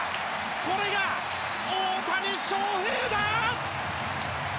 これが大谷翔平だ！